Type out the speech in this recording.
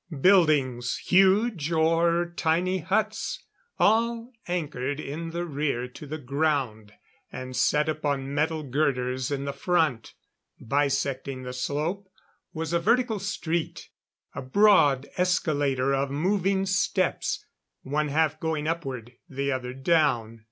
Buildings huge, or tiny huts; all anchored in the rear to the ground, and set upon metal girders in the front. Bisecting the slope was a vertical street a broad escalator of moving steps, one half going upward, the other down.